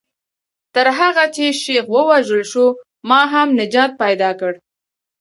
تر هغه چې شیخ ووژل شو ما هم نجات پیدا کړ.